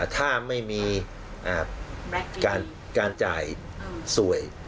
ถ้าไม่มีการจ่ายสวย